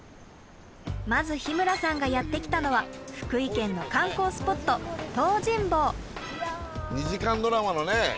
まず日村さんがやって来たのは福井県の観光スポット東尋坊！